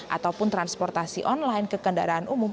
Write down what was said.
ataupun transportasi online ke kendaraan umum